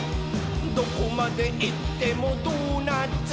「どこまでいってもドーナツ！」